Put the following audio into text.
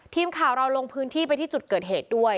ทีมข่าวเราลงพื้นที่ไปที่จุดเกิดเหตุด้วย